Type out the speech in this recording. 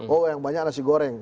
oh yang banyak nasi goreng